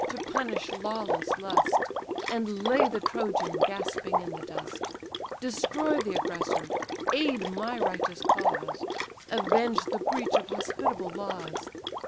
to punish lawless lust, And lay the Trojan gasping in the dust: Destroy the aggressor, aid my righteous cause, Avenge the breach of hospitable laws!